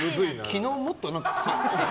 昨日もっと何か。